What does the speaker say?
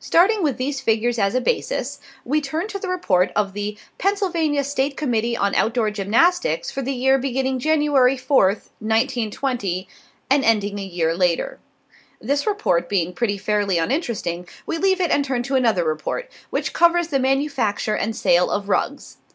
Starting with these figures as a basis, we turn to the report of the Pennsylvania State Committee on Outdoor Gymnastics for the year beginning January 4th, 1920, and ending a year later. This report being pretty fairly uninteresting, we leave it and turn to another report, which covers the manufacture and sale of rugs.